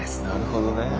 なるほどね。